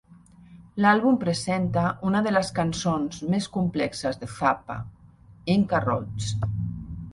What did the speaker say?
L'àlbum presenta una de les cançons més complexes de Zappa, "Inca Roads".